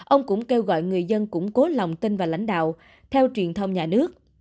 ông cũng kêu gọi người dân củng cố lòng tin vào lãnh đạo theo truyền thông nhà nước